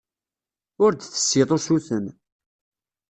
Ur d-tessiḍ usuten.